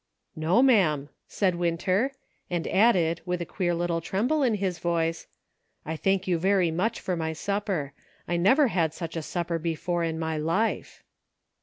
" No, ma'am," said Winter, and added, with a queer little tremble in his voice, " I thank you very much for my supper ; I never had such a sup per before in my life."